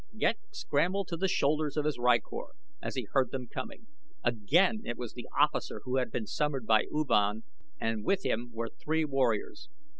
Ghek scrambled to the shoulders of his rykor as he heard them coming. Again it was the officer who had been summoned by U Van and with him were three warriors.